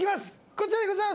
こちらでございます。